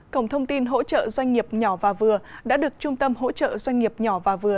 cổng thông tin hỗ trợ doanh nghiệp nhỏ và vừa đã được trung tâm hỗ trợ doanh nghiệp nhỏ và vừa